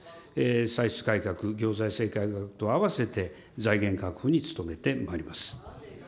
歳出改革、行財政改革と合わせて財源確保に努めてまいります。